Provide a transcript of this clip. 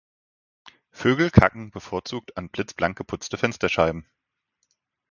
Vögel kacken bevorzugt an blitzblank geputzte Fensterscheiben.